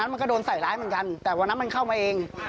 มันก็โดนใส่ร้ายเหมือนกันแต่วันนั้นมันเข้ามาเอง